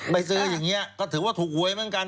ไปซื้ออย่างนี้ก็ถือว่าถูกหวยเหมือนกัน